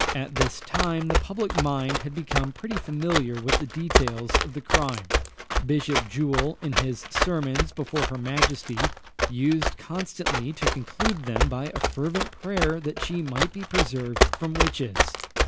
At this time the public mind had become pretty familiar with the details of the crime. Bishop Jewell, in his sermons before her majesty, used constantly to conclude them by a fervent prayer that she might be preserved from witches.